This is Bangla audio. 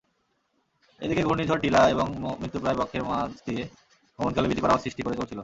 এদিকে ঘূর্ণিঝড় টিলা এবং মৃত্যুপ্রায় বৃক্ষের মাঝ দিয়ে গমনকালে ভীতিকর আওয়াজ সৃষ্টি করে চলছিল।